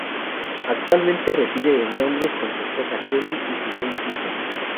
Actualmente reside en Londres con su esposa Kelly y sus seis hijos.